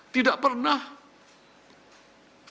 tidak pernah fiskalnya